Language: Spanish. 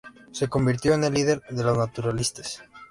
Se convirtió en el líder de los "naturalistes".